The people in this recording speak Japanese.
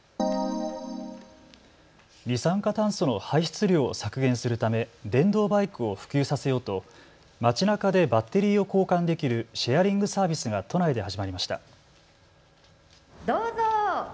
二酸化炭素の排出量を削減するため電動バイクを普及させようと街なかでバッテリーを交換できるシェアリングサービスが都内で始まりました。